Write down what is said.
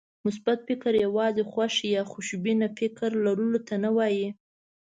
مثبت فکر يوازې خوښ يا خوشبينه فکر لرلو ته نه وایي.